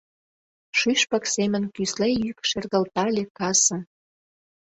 Шӱшпык семын кӱсле йӱк шергылтале касым.